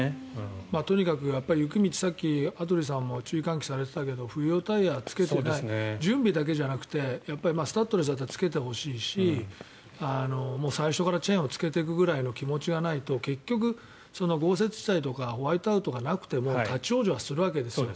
とにかくさっき羽鳥さんも雪道に関して注意喚起されていたけど冬用タイヤをつけて準備だけじゃなくてスタッドレスはつけてほしいし最初からチェーンをつけていくぐらいの気持ちがないと、結局豪雪地帯とかホワイトアウトがなくても立ち往生するわけですよね。